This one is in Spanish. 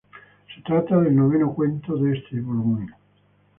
Se trata del noveno cuento de ese volumen.